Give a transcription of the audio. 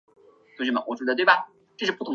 曾任浙江省第八师范学校舍监和国文教师。